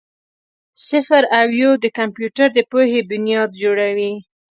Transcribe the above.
صفر او یو د کمپیوټر د پوهې بنیاد جوړوي.